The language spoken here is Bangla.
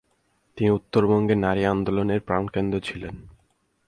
তিনি উত্তরবঙ্গের নারী-আন্দোলনে প্রাণকেন্দ্র ছিলেন।